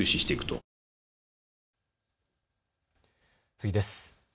次です。